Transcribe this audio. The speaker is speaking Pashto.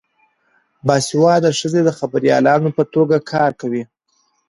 باسواده ښځې د خبریالانو په توګه کار کوي.